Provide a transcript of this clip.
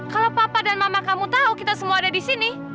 kalau papa dan mama kamu tahu kita semua ada di sini